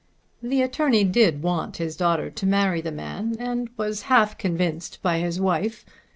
The attorney did want his daughter to marry the man and was half convinced by his wife.